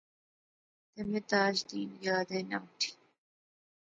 تہ میں تاج دین یاد اینا اٹھی